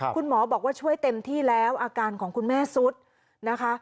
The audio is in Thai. คุณหมอบอกว่าช่วยเต็มที่แล้วอาการของคุณแม่สุดนะคะ